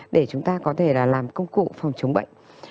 để chúng ta có thể là làm công cụ phòng chống bệnh